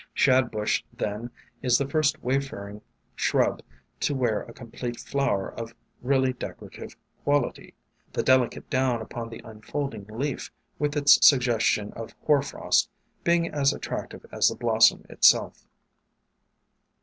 Shadbush, then, is the first wayfaring shrub to wear a complete flower of really decorative quality, the delicate down upon the unfolding leaf, with its suggestion of hoar frost, being as attractive as the blossom itself.